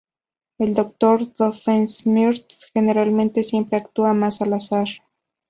El Dr. Doofenshmirtz generalmente siempre actúa más al azar.